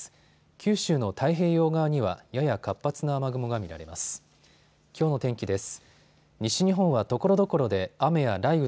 九州の太平洋側にはやや活発な雨雲が見られます。